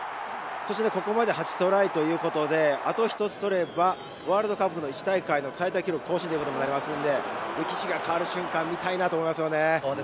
そしてここまで８トライということで、あと１つ取れば、ワールドカップの１大会の最多記録更新となりますので、歴史が変わる瞬間、見たいですね。